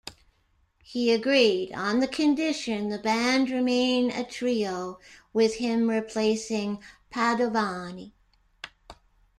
He agreed, on the condition the band remain a trio, with him replacing Padovani.